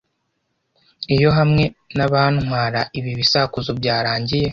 Iyo hamwe nabantwara ibi bisakuzo byarangiye